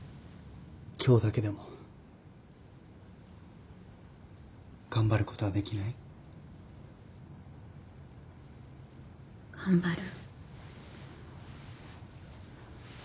今日だけでも頑張ることはできない？頑張る？